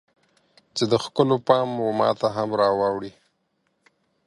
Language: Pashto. چې د ښکلو پام و ماته هم راواوړي